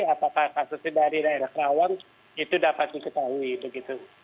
apakah kasusnya dari daerah kerawang itu dapat diketahui begitu